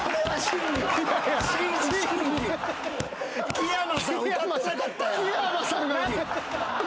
木山さん。